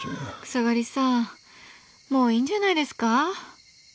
草刈さんもういいんじゃないですか？